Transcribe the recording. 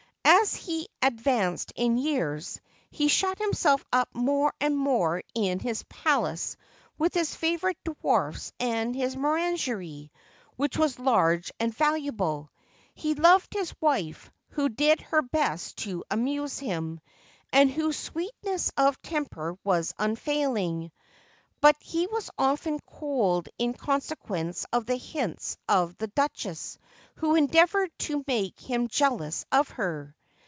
As he ad vanced in years, he shut himself up more and more in his palace with his favorite dwarfs and his menagerie, which was large and valuable. He loved his wife, who did her best to amuse him, and whose sweetness of temper was unfailing. But he was often cold in conse quence of the hints of the duchess, who endeavored to make him jealous of her.